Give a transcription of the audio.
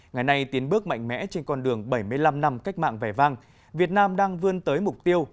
ngày nay tiến bước mạnh mẽ trên con đường bảy mươi năm năm cách mạng vẻ vang việt nam đang vươn tới mục tiêu